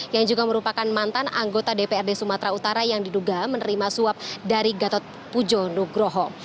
yang juga merupakan mantan anggota dprd sumatera utara yang diduga menerima suap dari gatot pujo nugroho